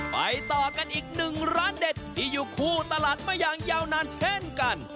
ไปต่อกันอีกหนึ่งร้านเด็ดที่อยู่คู่ตลาดมาอย่างยาวนานเช่นกัน